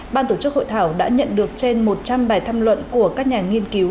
ban tổ chức hội thảo đã nhận được trên một trăm linh bài thăm luận của các nhà nghiên cứu